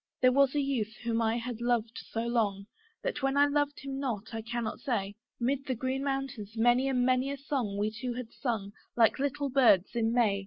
There was a youth whom I had loved so long, That when I loved him not I cannot say. 'Mid the green mountains many and many a song We two had sung, like little birds in May.